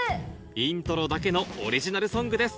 『イントロ』だけのオリジナルソングです